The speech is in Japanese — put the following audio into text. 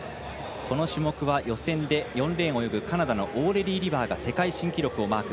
この種目は予選で４レーンを泳ぐカナダの選手が世界新記録をマーク。